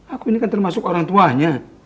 aku ini kan termasuk orang tuanya